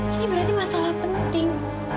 ini berarti masalah penting